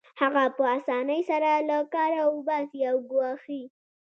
هغه په اسانۍ سره له کاره وباسي او ګواښي